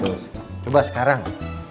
terus coba sekarang